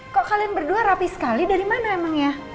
kok kalian berdua rapi sekali dari mana emangnya